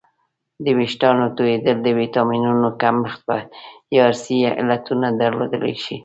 د وېښتانو تویدل د ویټامینونو کمښت یا ارثي علتونه درلودلی شي